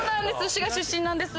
滋賀出身なんです。